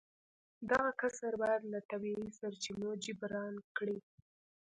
دغه کسر باید له طبیعي سرچینو جبران کړي